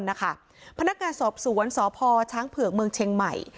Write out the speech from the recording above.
พนักงานสอบสวนสพช้างเผือกเมืองเชียงใหม่